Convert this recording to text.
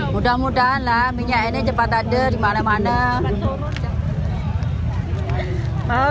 mudah mudahan lah minyak ini cepat ada di mana mana